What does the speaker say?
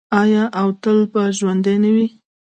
آیا او تل به ژوندی نه وي؟